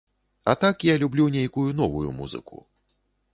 А так я люблю нейкую новую музыку.